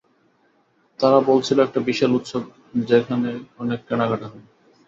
তারা বলছিল একটা বিশাল উৎসব যেখানে অনেক কেনাকাটা হয়।